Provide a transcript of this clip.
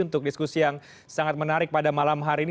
untuk diskusi yang sangat menarik pada malam hari ini